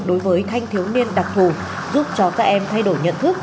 đối với thanh thiếu niên đặc thù giúp cho các em thay đổi nhận thức